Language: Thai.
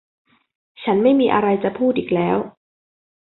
ฉันไม่มีอะไรจะพูดอีกแล้ว